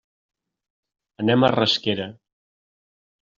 Anem a Rasquera.